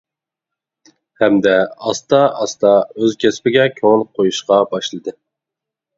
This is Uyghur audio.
ھەمدە ئاستا-ئاستا ئۆز كەسپىگە كۆڭۈل قويۇشقا باشلىدى.